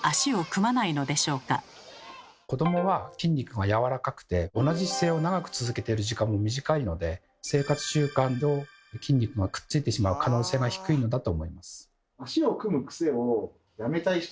子どもは筋肉がやわらかくて同じ姿勢を長く続けている時間も短いので生活習慣上筋肉がくっついてしまう可能性が低いのだと思います。